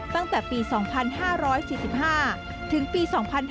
ตั้งแต่ปี๒๕๔๕ถึงปี๒๕๕๙